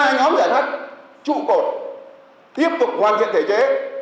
ba nhóm giải pháp trụ cột tiếp tục hoàn thiện thể chế